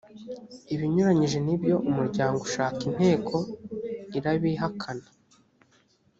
ibinyuranyije n’ibyo umuryango ushaka inteko irabihakana